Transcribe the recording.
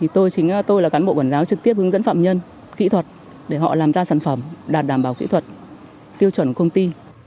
tôi chính tôi là cán bộ quản giáo trực tiếp hướng dẫn phạm nhân kỹ thuật để họ làm ra sản phẩm đạt đảm bảo kỹ thuật tiêu chuẩn công ty